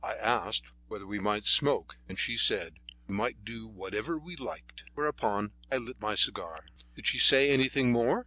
"I asked whether we might smoke, and she said we might do whatever we liked." Whereupon I lighted my cigar. "Did she say anything more?"